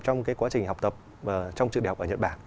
trong quá trình học tập trong trường đại học ở nhật bản